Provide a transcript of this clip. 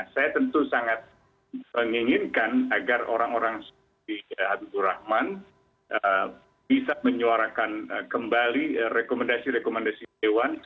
saya tentu sangat menginginkan agar orang orang seperti habibur rahman bisa menyuarakan kembali rekomendasi rekomendasi dewan